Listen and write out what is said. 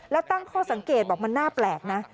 แล้วตั้งข้อสังเกตบอกมันน่าแปลกนะ